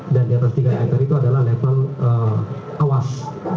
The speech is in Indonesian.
dan di atas tiga meter itu adalah level awas